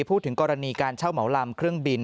พูดถึงกรณีการเช่าเหมาลำเครื่องบิน